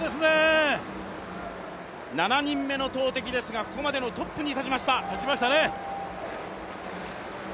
７人目の投てきですが、ここまでのトップに立ちました。